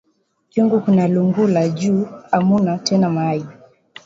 Kyungu kina lungula ju amuna tena mayi